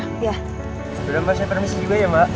udah mbak saya permisi juga ya mbak